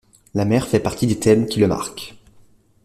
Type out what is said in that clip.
La mer fait partie des thèmes qui le marquent.